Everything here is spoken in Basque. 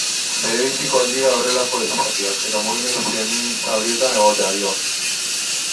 Berebizikoak dira horrelako espazioak, eta mugimendu feminista horietan egotea, dio.